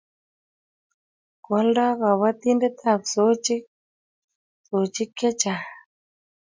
Koalda kabatindet ab sochik, sochik chechsng